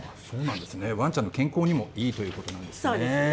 ワンちゃんの健康にもいいということなんですね。